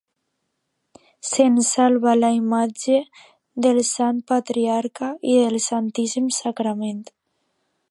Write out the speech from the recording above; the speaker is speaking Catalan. Se'n salvà la imatge del Sant Patriarca i del Santíssim Sagrament.